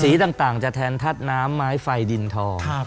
สีต่างจะแทนทัศน์น้ำไม้ไฟดินทอง